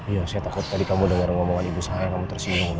ya saya takut tadi kamu denger ngomongan ibu saya kamu tersimbung